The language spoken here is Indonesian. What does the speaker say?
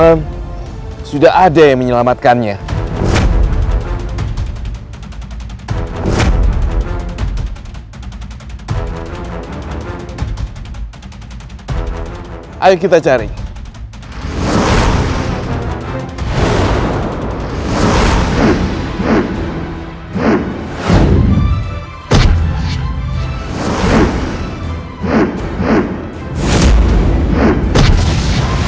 untuk rai kian santan kami menelpon anda seperti setiap hari dan bersama asing di air mi dialoga